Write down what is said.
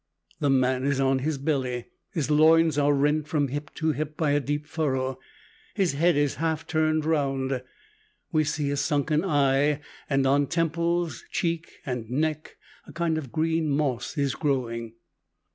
The man is on his belly; his loins are rent from hip to hip by a deep furrow; his head is half turned round; we see a sunken eye; and on temples, cheek and neck a kind of green moss is growing.